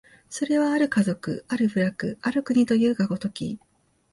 それは或る家族、或る部落、或る国というが如き、